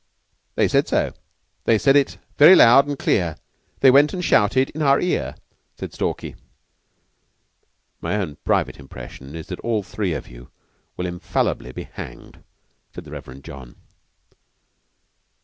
"They said so. 'They said it very loud and clear. They went and shouted in our ear,'" said Stalky. "My own private impression is that all three of you will infallibly be hanged," said the Reverend John.